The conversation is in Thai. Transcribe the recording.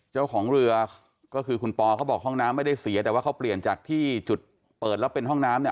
เจ้าของเรือก็คือคุณปอเขาบอกห้องน้ำไม่ได้เสียแต่ว่าเขาเปลี่ยนจากที่จุดเปิดแล้วเป็นห้องน้ำเนี่ย